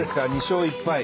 ２勝１敗。